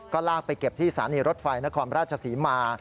ก็ลากไปเก็บที่สถานีรถไฟนครราชศรีมา